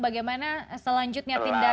bagaimana selanjutnya tindak